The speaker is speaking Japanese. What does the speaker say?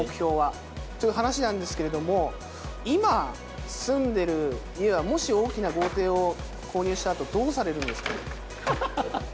ちょっとそういう話なんですけれども、今、住んでる家は、もし大きな豪邸を購入したあと、どうされるんですか？